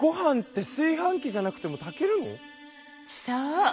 そう。